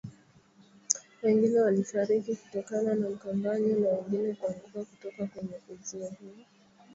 Wengine walifariki kutokana na mkanyagano na wengine kuanguka kutoka kwenye uzio huo